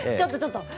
ちょっと！